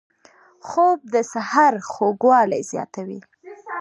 خوب د سحر خوږوالی زیاتوي